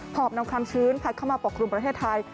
อบนำความชื้นพัดเข้ามาปกครุมประเทศไทย